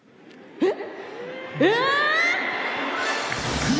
えっ。